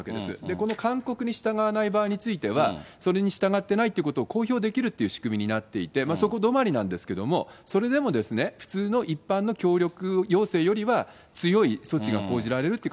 この勧告に従わない場合については、それに従ってないってことを公表できるという仕組みになっていて、そこ止まりなんですけど、それでもですね、普通の一般の協力要請よりは強い措置が講じられるという